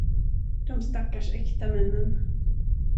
De stackars äkta männen!